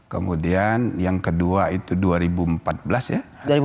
kemudian yang kedua itu dua ribu empat belas ya